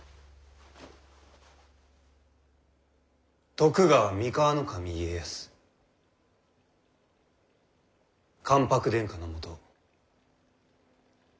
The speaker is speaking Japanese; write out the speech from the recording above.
徳川三河守家康関白殿下のもと。